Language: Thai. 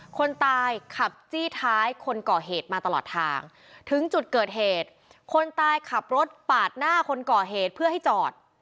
คนตายขับจี้ท้ายคนก่อเหตุมาตลอดทางถึงจุดเกิดเหตุคนตายขับรถปาดหน้าคนก่อเหตุเพื่อให้จอด